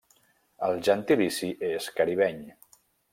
El gentilici és caribeny.